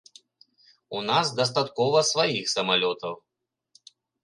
У нас дастаткова сваіх самалётаў.